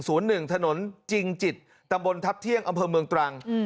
ศูนย์หนึ่งถนนจิงจิตตะบลทับเที่ยงอำเภอเมืองตรังอืม